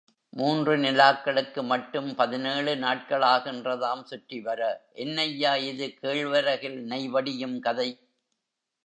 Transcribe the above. மூன்று நிலாக்களுக்கு மட்டும் பதினேழு நாட்களாகின்றதாம் சுற்றிவர என்னய்யா இது கேழ்வரகில் நெய் வடியும் கதை!